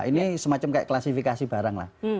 ini semacam kayak klasifikasi barang lah